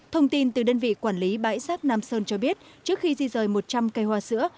thông tin từ đơn vị quản lý bãi giác nam sơn cho biết trước khi di rời một trăm linh cây hoa sữa